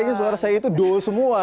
anu suara saya itu do semua